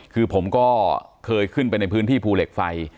คือผมก็เคยขึ้นไปในพื้นที่ภูเหล็กไฟ